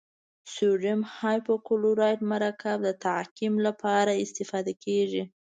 سوډیم هایپوکلورایت مرکب د تعقیم لپاره استفاده کیږي.